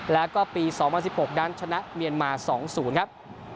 แล้วก็ปี๒๐๑๖นั้นชนะเมียนมา๒๐ครับ